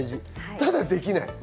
ただできない。